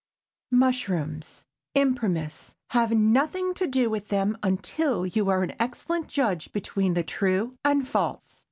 MUSHROOMS. Imprimis.—Have nothing to do with them until you are an excellent judge between the true and false.